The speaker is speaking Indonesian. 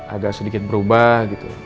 agak sedikit berubah gitu